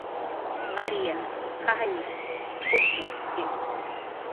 "Marya qajll p""usmukki"